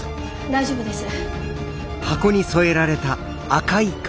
大丈夫です。